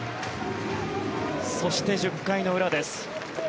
そして、１０回の裏です。